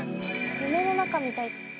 夢の中みたい。